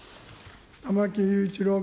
玉木雄一郎君。